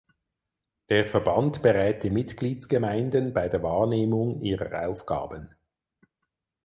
Der Verband berät die Mitgliedsgemeinden bei der Wahrnehmung ihrer Aufgaben.